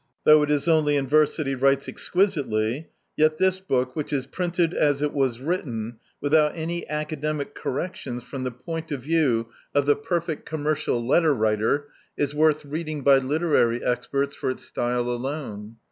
Thou^ it is only in verse that he writes exquisitely, yet this book, which is printed as it was written, without any academic cor rections from the point of view of the Perfect Com [xvi] D,i.i,dt, Google Preface mercial Letter Writer, is worth reading by literary experts for its style alone.